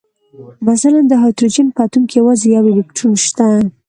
مثلاً د هایدروجن په اتوم کې یوازې یو الکترون شته